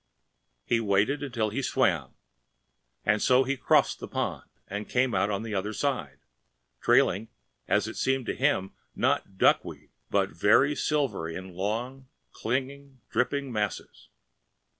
He waded until he swam, and so he crossed the pond and came out upon the other side, trailing, as it seemed to him, not duckweed, but very silver in long, clinging, dripping masses.